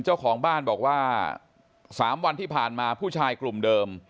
เจ้าของบ้านบอกว่า๓วันที่ผ่านมาผู้ชายกลุ่มเดิม